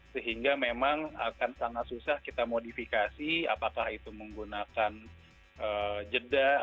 sehingga memang akan sangat susah kita modifikasi apakah itu menggunakan jeda